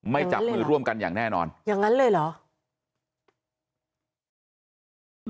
จับมือร่วมกันอย่างแน่นอนอย่างนั้นเลยเหรอ